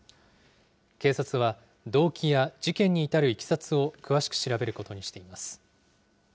警察は、動機や事件に至るいきさつを詳しく調べることにしています。